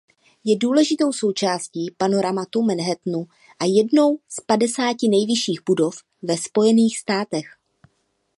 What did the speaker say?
Je důležitou součástí panoramatu Manhattanu a jednou z padesáti nejvyšších budov ve Spojených státech.